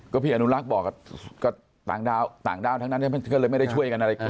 ก็พี่อนุรักษ์บอกก็ต่างด้าวต่างด้าวทั้งนั้นก็เลยไม่ได้ช่วยกันอะไร